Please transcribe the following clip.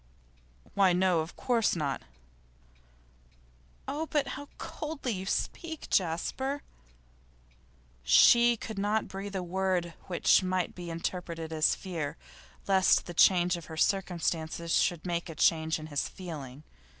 'Why no, of course not.' 'Oh, but how coldly you speak, Jasper!' She could not breathe a word which might be interpreted as fear lest the change of her circumstances should make a change in his feeling.